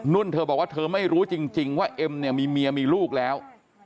เธอบอกว่าเธอไม่รู้จริงว่าเอ็มเนี่ยมีเมียมีลูกแล้ว